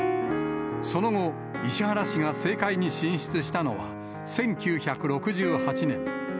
その後、石原氏が政界に進出したのは、１９６８年。